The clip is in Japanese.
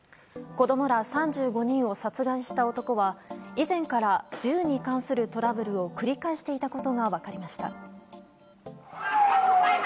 子供ら３５人を殺害した男は以前から銃に関するトラブルを繰り返していたことが分かりました。